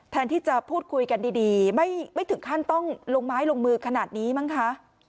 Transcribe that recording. แทนที่จะพูดคุยกันดีไม่ถึงขั้นต้องลงไม้ลงมือขนาดนี้มั้งคะ